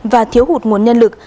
và thiếu hụt nguồn nhân lực